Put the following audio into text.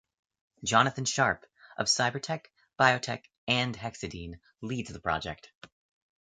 Jonathan Sharp, of Cyber-Tec, Biotek, and Hexedene, leads the project.